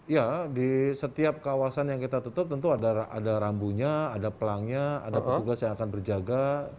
ya di setiap kawasan yang kita tutup tentu ada rambunya ada pelangnya ada petugas yang akan berjaga